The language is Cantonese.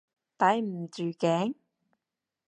抵唔住頸？